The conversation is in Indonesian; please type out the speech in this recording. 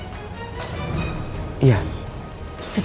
sampai jumpa di video selanjutnya